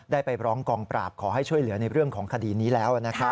ไปร้องกองปราบขอให้ช่วยเหลือในเรื่องของคดีนี้แล้ว